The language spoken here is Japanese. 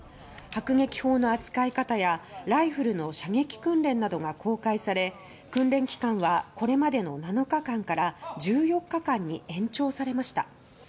迫撃砲の扱い方やライフルの射撃訓練などが公開され訓練期間はこれまでの７日間から１４日間に延長されました。